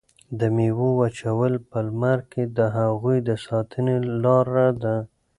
د میوو وچول په لمر کې د هغوی د ساتنې لاره ده.